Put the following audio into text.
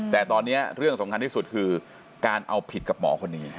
แต่ตอนนี้เรื่องสำคัญที่สุดคือการเอาผิดกับหมอคนนี้